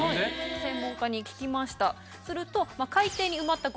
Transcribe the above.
専門家に聞きましたすると。